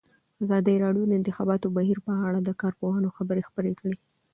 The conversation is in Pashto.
ازادي راډیو د د انتخاباتو بهیر په اړه د کارپوهانو خبرې خپرې کړي.